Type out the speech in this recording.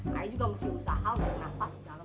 hmm i juga mesti usaha udah nafas di dalam